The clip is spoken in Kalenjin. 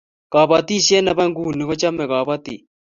kabatishiet nebo nguni kochame kabatik